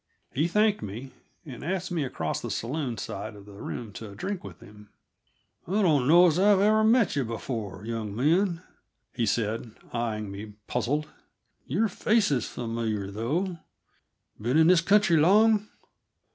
He thanked me, and asked me across to the saloon side of the room to drink with him. "I don't know as I've met you before, young man," he said, eying me puzzled. "Your face is familiar, though; been in this country long?"